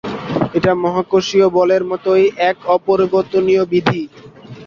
এটা মহাকর্ষীয় বলের মতোই এক অপরিবর্তনীয় বিধি।